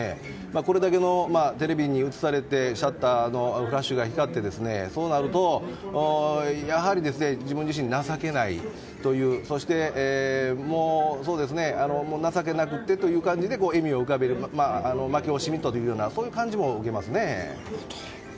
これだけのテレビに映されてシャッターのフラッシュが光ってそうなると、やはり自分自身、情けないというそして、もう情けなくってという感じで笑みを浮かべる負け惜しみというそういう感じも受けますね。